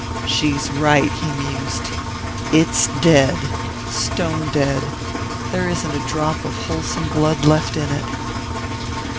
"She's right," he mused "it's dead stone dead: there isn't a drop of wholesome blood left in it."